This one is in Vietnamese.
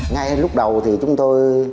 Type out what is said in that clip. ngay lúc đầu thì chúng tôi